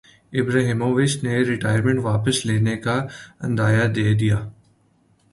Ibrahimovic نے retirement واپس لینے کا عندیہ دیدیا